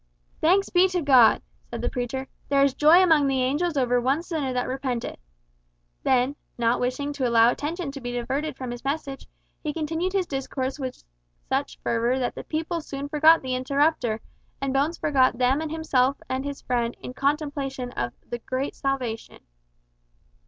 "Thanks be to God!" said the preacher. "There is joy among the angels of heaven over one sinner that repenteth." Then, not wishing to allow attention to be diverted from his message, he continued his discourse with such fervour that the people soon forgot the interrupter, and Bones forgot them and himself and his friend, in contemplation of the "Great Salvation."